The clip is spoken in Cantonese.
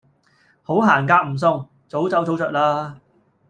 好行夾唔送，早走早著啦